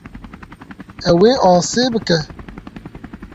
Ew ê asê bike.